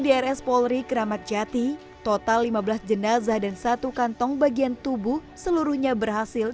di rs polri keramat jati total lima belas jenazah dan satu kantong bagian tubuh seluruhnya berhasil